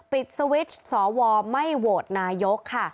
ปิดสวิตช์สวไม่โหวตนายกค่ะ